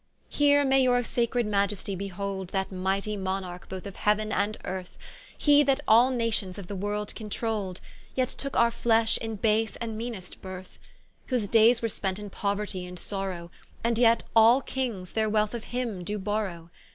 Here may your sacred Maistie behold That mightie Monarch both of heau'n and earth, He that all Nations of the world controld, Yet tooke our flesh in base and meanest berth: Whose daies were spent in pouerty and sorrow, And yet all Kings their wealth of him do borrow.